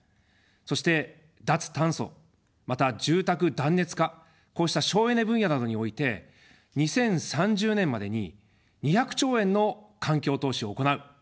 そして脱炭素、また住宅断熱化、こうした省エネ分野などにおいて２０３０年までに２００兆円の環境投資を行う。